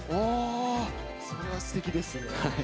それはすてきですね。